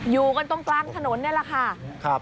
อยู่กันตรงกลางถนนนี่แหละค่ะ